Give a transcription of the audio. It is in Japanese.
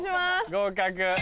合格。